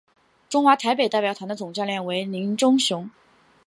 中华台北代表团的总教练为林忠雄。